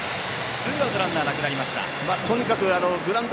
２アウトランナー、なくなりました。